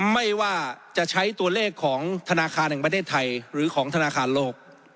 ไม่ว่าจะใช้ตัวเลขของธนาคารแห่งประเทศไทยหรือของธนาคารโลก